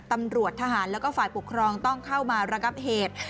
ตำรวจทหารแล้วก็ฝ่ายปกครองต้องเข้ามาระงับเหตุ